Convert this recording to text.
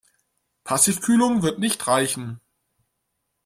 Passivkühlung wird nicht reichen.